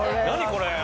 これ。